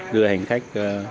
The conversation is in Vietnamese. đưa hành khách